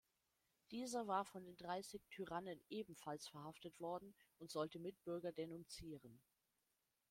Dieser war von den Dreißig Tyrannen ebenfalls verhaftet worden und sollte Mitbürger denunzieren.